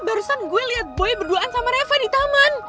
barusan gue liat boy berduaan sama reva di taman